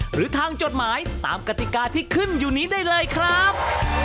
หรือทางจดหมายตามกติกาที่ขึ้นอยู่นี้ได้เลยครับ